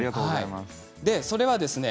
でそれはですね